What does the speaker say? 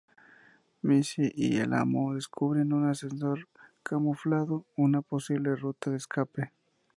Missy y el Amo descubren un ascensor camuflado, una posible ruta de escape.